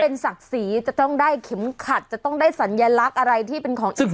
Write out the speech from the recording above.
เป็นศักดิ์ศรีจะต้องได้เข็มขัดจะต้องได้สัญลักษณ์อะไรที่เป็นของอิสระ